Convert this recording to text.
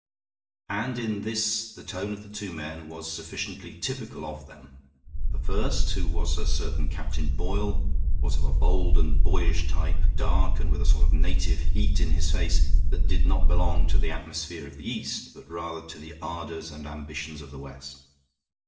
And in this the tone of the two men was sufficiently typical of them. The first, who was a certain Captain Boyle, was of a bold and boyish type, dark, and with a sort of native heat in his face that did not belong to the atmosphere of the East, but rather to the ardors and ambitions of the West.